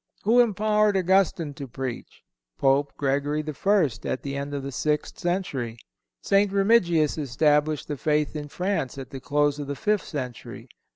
Who empowered Augustine to preach? Pope Gregory I., at the end of the sixth century. St. Remigius established the faith in France, at the close of the fifth century.